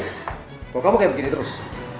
kalau kamu kayak begini terus